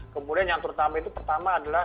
kemudian yang terutama itu pertama adalah